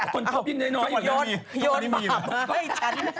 คนครบยิงได้หน่อยอีกนะกลับไปไหน